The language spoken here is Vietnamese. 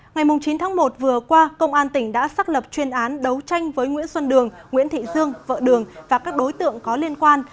ngày chín tháng một vừa qua công an tỉnh đã xác lập chuyên án đấu tranh với nguyễn xuân đường nguyễn thị dương vợ đường và các đối tượng có liên quan